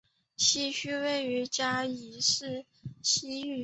西区位于嘉义市西隅。